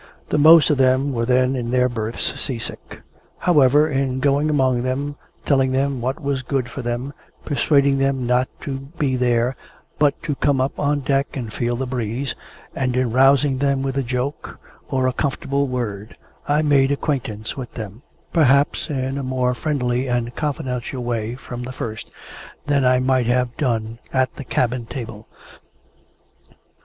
The most of them were then in their berths sea sick; however, in going among them, telling them what was good for them, persuading them not to be there, but to come up on deck and feel the breeze, and in rousing them with a joke, or a comfortable word, I made acquaintance with them, perhaps, in a more friendly and confidential way from the first, than I might have done at the cabin table.